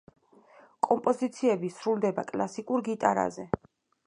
კომპოზიციები სრულდება კლასიკურ გიტარაზე.